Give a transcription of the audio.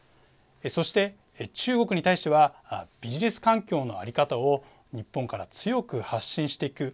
そして、中国に対してはビジネス環境の在り方を日本から強く発信していく。